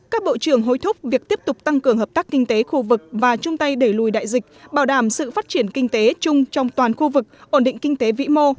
các bộ trưởng hối thúc việc tiếp tục tăng cường hợp tác kinh tế khu vực và chung tay đẩy lùi đại dịch bảo đảm sự phát triển kinh tế chung trong toàn khu vực ổn định kinh tế vĩ mô